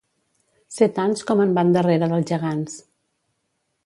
Ser tants com en van darrere dels gegants.